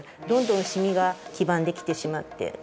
どんどんシミが黄ばんできてしまって。